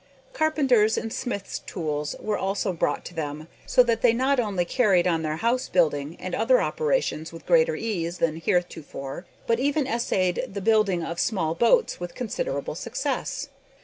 Carpenters' and smiths' tools were also brought to them, so that they not only carried on their house building and other operations with greater ease than heretofore, but even essayed the building of small boats with considerable success.